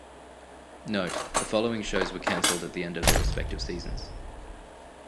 Note: The following shows were canceled at the end of their respective seasons.